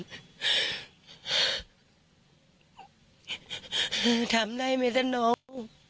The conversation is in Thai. คือถามได้ไหมแท้น้อง